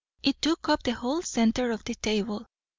It took up the whole centre of the table.